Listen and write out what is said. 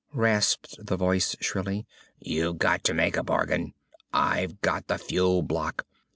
_" rasped the voice shrilly. "_You've got to make a bargain! I've got the fuel block!